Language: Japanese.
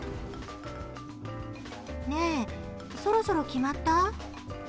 ねえ、そろそろ決まった？